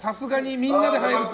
みんなで入ると。